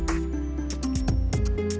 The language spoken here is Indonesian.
tante ini sudah beres